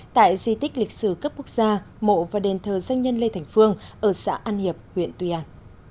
tại di tích lịch sử cấp quốc gia mộ và đền thờ doanh nhân lê thành phương ở xã an hiệp huyện tuy an